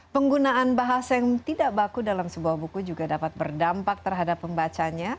penggunaan bahasa yang tidak baku dalam sebuah buku juga dapat berdampak terhadap pembacanya